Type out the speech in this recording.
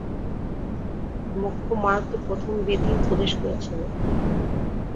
মোক্ষমার্গ তো প্রথম বেদই উপদেশ করেছেন।